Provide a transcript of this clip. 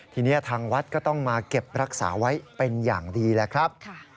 ทีนี้ทางวัดก็ต้องมาเก็บรักษาไว้เป็นอย่างดีแหละครับ